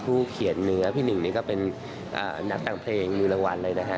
ผู้เขียนเนื้อพี่หนึ่งนี่ก็เป็นนักตั้งเพลงมีละวันเลยนะฮะ